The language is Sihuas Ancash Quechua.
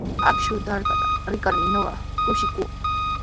Akshu trakraata rikarmi ñuqa kushikuu.